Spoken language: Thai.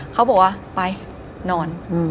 เขาบอกว่าไปนอน